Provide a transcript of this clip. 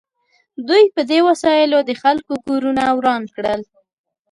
دوی په دې وسایلو د خلکو کورونه وران کړل